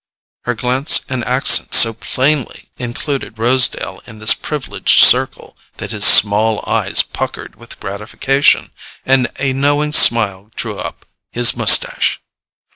Her glance and accent so plainly included Rosedale in this privileged circle that his small eyes puckered with gratification, and a knowing smile drew up his moustache.